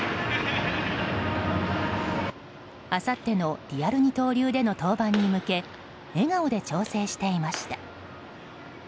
あさってのリアル二刀流での登板に向け笑顔で調整していました。